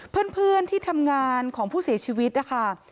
เพื่อนที่ทำงานของผู้เสียชีวิตนะคะ